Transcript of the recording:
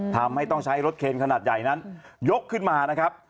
ทำให้ต้องใช้รถเคนขนาดใหญ่นั้นยกขึ้นมานะครับ